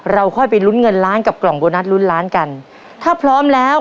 ค่อยไปลุ้นเงินล้านกับกล่องโบนัสลุ้นล้านกันถ้าพร้อมแล้ว